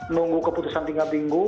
nunggu keputusan tiga minggu